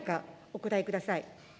お答えください。